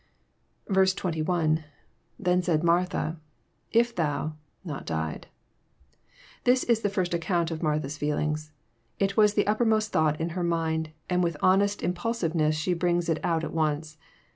21.—lThen said Mariha..,if thou„.not died,"] This is the first ac count of Martha's feelings. It was the uppermost thought in her mind, and with honest impulsiveness she brings it out at once.